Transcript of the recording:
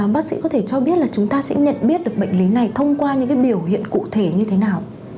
bác sĩ có thể cho biết là chúng ta sẽ nhận biết được bệnh lý này thông qua những biểu hiện cụ thể như thế nào